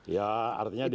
ya artinya dia